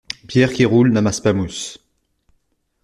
Pierre qui roule n’amasse pas mousse.